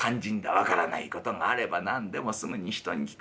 分からないことがあれば何でもすぐに人に聞く。